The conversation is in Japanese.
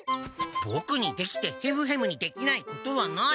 ボクにできてヘムヘムにできないことはない。